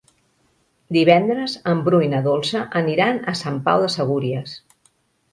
Divendres en Bru i na Dolça aniran a Sant Pau de Segúries.